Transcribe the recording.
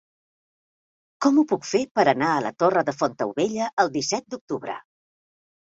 Com ho puc fer per anar a la Torre de Fontaubella el disset d'octubre?